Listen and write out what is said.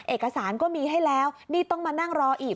เอกสารก็มีให้แล้วนี่ต้องมานั่งรออีก